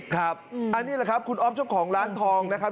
ครับอันนี้แหละครับคุณอ๊อฟเจ้าของร้านทองนะครับ